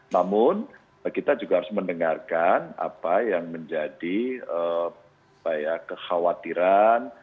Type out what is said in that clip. namun kita juga harus mendengarkan apa yang menjadi kekhawatiran